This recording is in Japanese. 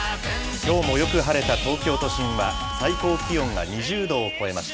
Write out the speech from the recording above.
きょうもよく晴れた東京都心は、最高気温が２０度を超えました。